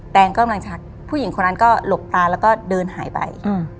แนนกำลังชักผู้หญิงคนนั้นก็หลบตาแล้วก็เดินหายไป